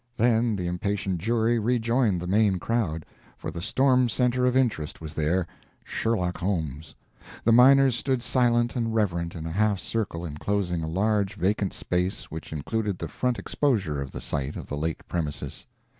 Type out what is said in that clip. Then the impatient jury rejoined the main crowd, for the storm centre of interest was there Sherlock Holmes. The miners stood silent and reverent in a half circle, inclosing a large vacant space which included the front exposure of the site of the late premises.